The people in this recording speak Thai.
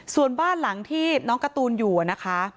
ส่วนบ้านหลังที่น้องการ์ตูนอยู่นะคะ